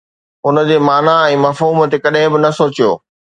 ان جي معنيٰ ۽ مفهوم تي ڪڏهن به نه سوچيو